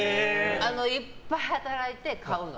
いっぱい働いて買うの。